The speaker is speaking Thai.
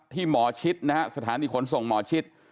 ที่หมอชิตนะครับสถานีขนส่งหมอชิต